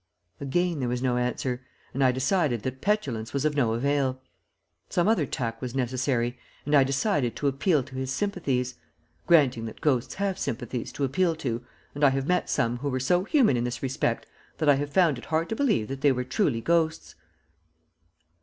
Again there was no answer, and I decided that petulance was of no avail. Some other tack was necessary, and I decided to appeal to his sympathies granting that ghosts have sympathies to appeal to, and I have met some who were so human in this respect that I have found it hard to believe that they were truly ghosts.